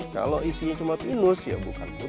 kalau isinya cuma pinus ya bukan